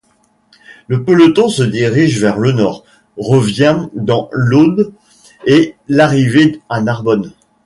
Le peloton se dirige vers le nord, revient dans l'Aude et l'arrivée à Narbonne.